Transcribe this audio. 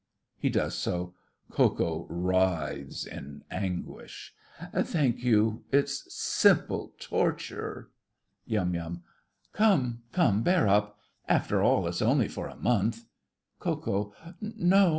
(He does so. Ko Ko writhes with anguish.) Thank you—it's simple torture! YUM. Come, come, bear up. After all, it's only for a month. KO. No.